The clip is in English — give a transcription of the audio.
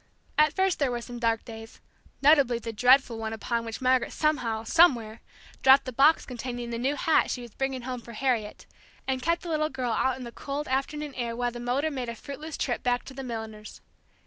At first there were some dark days; notably the dreadful one upon which Margaret somehow somewhere dropped the box containing the new hat she was bringing home for Harriet, and kept the little girl out in the cold afternoon air while the motor made a fruitless trip back to the milliner's.